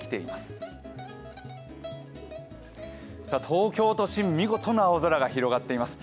東京都心、見事な青空が広がっています。